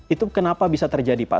itu kenapa bisa terjadi pak